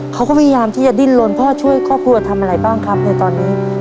เขาก็พยายามที่จะดิ้นลนพ่อช่วยครอบครัวทำอะไรบ้างครับในตอนนี้